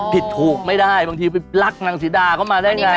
ผิดถูกไม่ได้บางทีไปรักนางศรีดาเข้ามาได้ไง